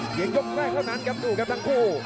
ยกแรกเท่านั้นครับดูครับทั้งคู่